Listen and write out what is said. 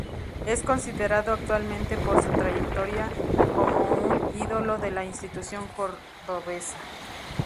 Es considerado actualmente por su trayectoria como un ídolo de la institución cordobesa.